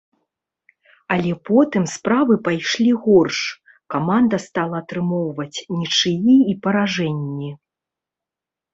Але потым справы пайшлі горш, каманда стала атрымоўваць нічыі і паражэнні.